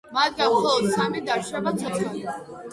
მათგან მხოლოდ სამი დარჩება ცოცხალი.